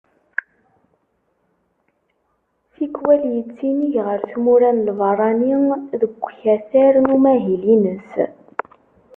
Tikkwal yettinig ɣer tmura n lbarrani deg ukatar n umahil-ines.